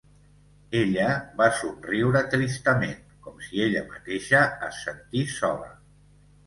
Ella va somriure tristament, com si ella mateixa es sentís sola.